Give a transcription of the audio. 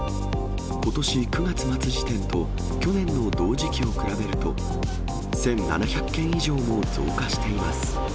ことし９月末時点と去年の同時期を比べると、１７００件以上も増加しています。